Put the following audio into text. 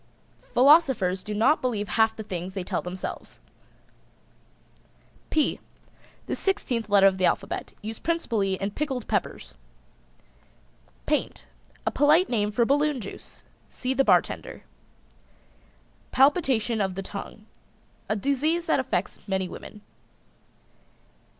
Philosophers do not believe half the things they tell themselves. ### P: The sixteenth letter of the alphabet, used principally in pickled peppers. ###PAINT. A polite name for balloon juice. See the bartender. PALPITATION OF THE TONGUE. A disease that affects many women.